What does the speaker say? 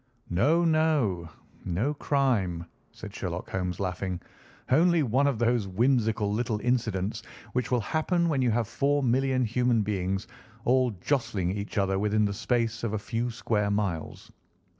"No, no. No crime," said Sherlock Holmes, laughing. "Only one of those whimsical little incidents which will happen when you have four million human beings all jostling each other within the space of a few square miles.